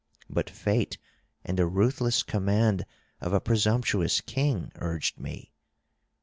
But fate and the ruthless command of a presumptuous king urged me.